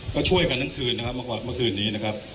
ก็ช่วยกันเมื่อคืนนี้